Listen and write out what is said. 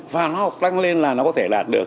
và nó học tăng lên là nó có thể đạt được